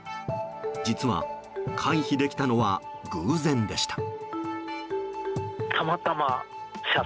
実は、回避できたのは偶然でした。